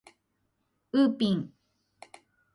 ウーピン